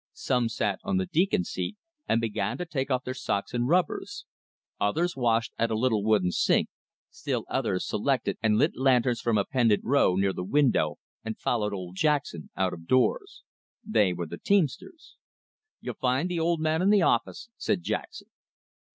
Some sat on the "deacon seat" and began to take off their socks and rubbers; others washed at a little wooden sink; still others selected and lit lanterns from a pendant row near the window, and followed old Jackson out of doors. They were the teamsters. "You'll find the old man in the office," said Jackson.